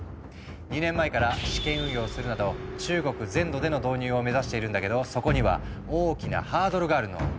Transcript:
２年前から試験運用するなど中国全土での導入を目指しているんだけどそこには大きなハードルがあるの。